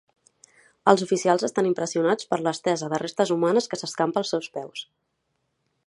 Els oficials estan impressionats per l'estesa de restes humanes que s'escampa als seus peus.